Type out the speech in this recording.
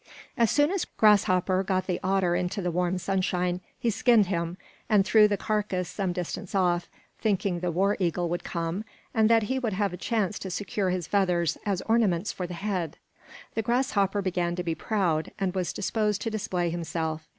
As soon as Grasshopper got the otter into the warm sunshine, he skinned him and threw the carcass some distance off, thinking the war eagle would come, and that he would have a chance to secure his feathers as ornaments for the head; for Grasshopper began to be proud, and was disposed to display himself.